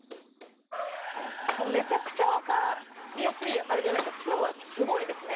めちゃくちゃ分かりやすいあれじゃないからプロはやっぱすごいですね。